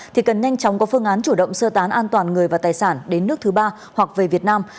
thì cần nhanh chóng có phương án chủ động sơ tán an toàn người và tài sản đến nước thứ ba hoặc về việt nam